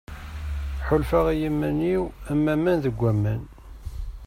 Ḥulfaɣ i yiman-iw am waman deg waman.